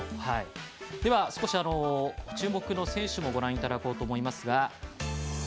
では、少し注目の選手もご覧いただこうと思います。